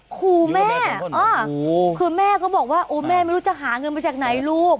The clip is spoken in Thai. ขู่แม่คือแม่ก็บอกว่าโอ้แม่ไม่รู้จะหาเงินมาจากไหนลูก